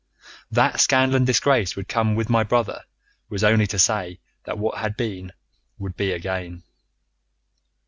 That scandal and disgrace would come with my brother was only to say that what had been would be again.